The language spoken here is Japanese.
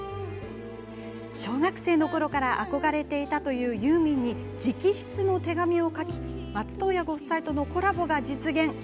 小学生のころから憧れていたというユーミンに直筆の手紙を書き松任谷ご夫妻とのコラボが実現。